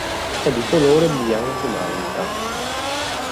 È di colore bianco malta.